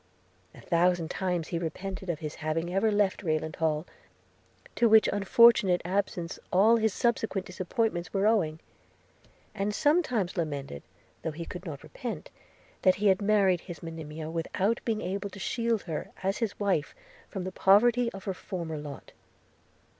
A thousand times he repented of his having ever left Rayland Hall, to which unfortunate absence all his subsequent disappointments were owing; and sometimes lamented, though he could not repent, that he had married his Monimia, without being able to shield her, as his wife, from the poverty of her former lot.